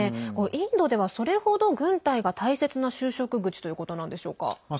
インドでは、それほど軍隊が大切な就職口ということなんでしょうか。